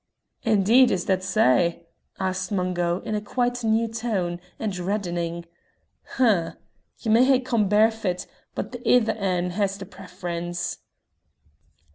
"Indeed is that sae?" asked Mungo, in a quite new tone, and reddening. "H'm! Ye may hae come barefit, but the ither ane has the preference."